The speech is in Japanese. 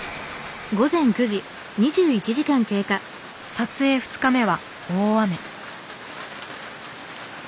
撮影２日目は大雨。